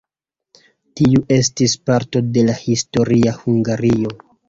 Tiu estis parto de la historia Hungario.